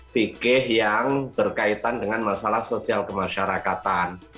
fikih yang berkaitan dengan masalah sosial kemasyarakatan